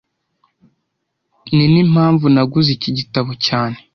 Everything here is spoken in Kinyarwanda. Ninimpamvu naguze iki gitabo cyane